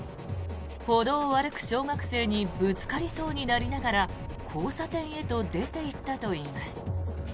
歩道を歩く小学生にぶつかりそうになりながら交差点へと出ていったといいます。